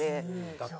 だって。